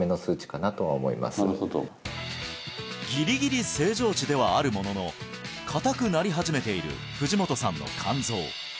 なるほどギリギリ正常値ではあるものの硬くなり始めている藤本さんの肝臓